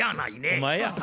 お前や。